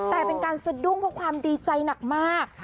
แต่เป็นการสะดุ้งเพราะความดีใจหนักมาก